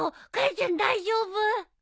ちゃん大丈夫？